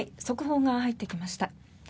速報が入ってきました。